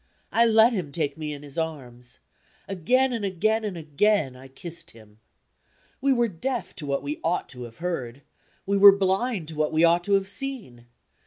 I let him take me in his arms. Again, and again, and again I kissed him. We were deaf to what we ought to have heard; we were blind to what we ought to have seen.